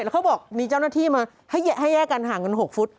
แล้วเขาบอกมีเจ้าหน้าที่มาให้แยกกันห่างกัน๖ฟุต